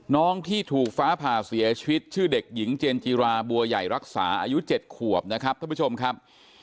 น้องที่ถูกฟ้าผ่าเสียชีวิตชื่อเด็กหญิงเจนจิราบัวใหญ่รักษาอายุ๗ขวบนะครับท่านผู้ชมครับ